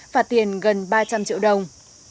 phạt tiền gần ba trăm linh triệu đồng